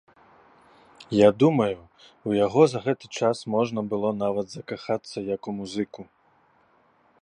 Я думаю, у яго за гэты час можна было нават закахацца як у музыку.